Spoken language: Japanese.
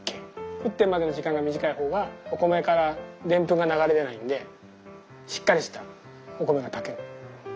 沸点までの時間が短い方がお米からでんぷんが流れ出ないんでしっかりしたお米が炊ける。